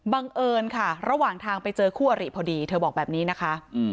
บังเอิญค่ะระหว่างทางไปเจอคู่อริพอดีเธอบอกแบบนี้นะคะ